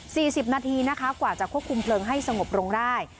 สิบนาทีนะคะกว่าจะควบคุมเพลิงให้สงบลงได้